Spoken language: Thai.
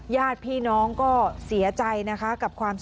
ญาติพี่น้องก็เสียใจนะคะกับความ